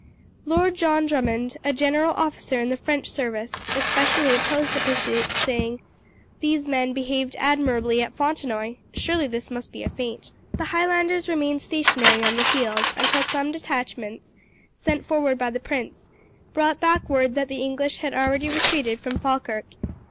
Lord John Drummond, a general officer in the French service, especially opposed the pursuit, saying, "These men behaved admirably at Fontenoy; surely this must be a feint." The Highlanders remained stationary on the field until some detachments, sent forward by the prince, brought back word that the English had already retreated from Falkirk.